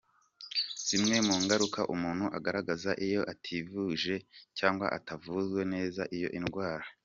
Zimwe mu ngaruka umuntu agaragaza iyo ativuje cyangwa atavuwe neza iyi ndwara.